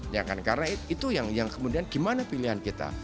ya kan karena itu yang kemudian gimana pilihan kita